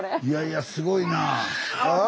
いやいやすごいなあ。